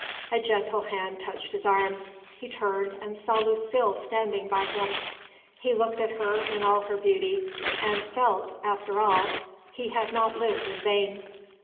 A gentle hand touched his arm. He turned and saw Lucile standing by him. He looked at her in all her beauty, and felt that after all he had not lived in vain.